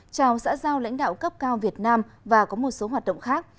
chào xã giao lãnh đạo cấp cao việt nam và có một số hoạt động khác